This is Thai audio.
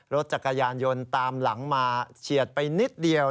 รถจักรยานยนต์ตามหลังมาเฉียดไปนิดเดียว